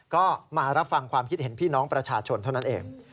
ก็มารับฟังความคิดเห็นพี่น้องประชาชนเท่านั้นเอง